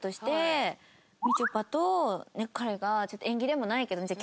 みちょぱと彼がちょっと縁起でもないけど。